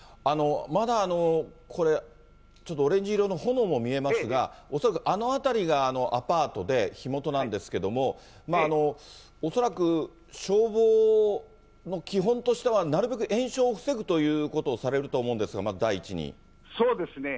まだこれ、ちょっとオレンジ色の炎も見えますが、恐らくあの辺りがアパートで、火元なんですけども、恐らく、消防の基本としては、なるべく延焼を防ぐということをされると思うんですが、そうですね。